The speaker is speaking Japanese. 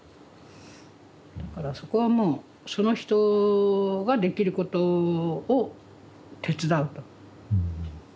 だからそこはもうその人ができることを手伝うと。